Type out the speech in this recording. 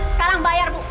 sekarang bayar bu